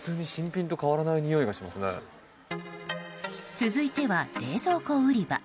続いては冷蔵庫売り場。